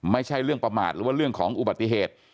ไม่ใช่เรื่องประมาทหรือว่าเรื่องของอุบัติเหตุ